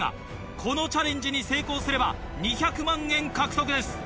このチャレンジに成功すれば２００万円獲得です。